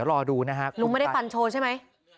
ลุงไม่ได้ปันโชว์ใช่ไหม